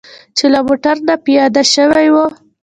چې له موټر نه پیاده شوي وو.